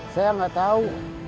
saya enggak tahu